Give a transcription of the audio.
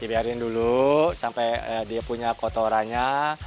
dibiarin dulu sampai dia punya kotorannya